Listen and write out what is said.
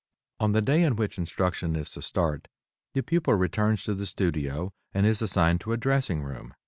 On the day in which instruction is to start, the pupil returns to the studio and is assigned to a dressing room.